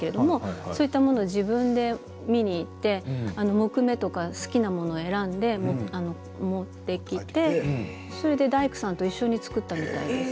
そういったものを自分で見に行って木目とか好きなものを選んで持ってきて大工さんと一緒に作ったみたいです。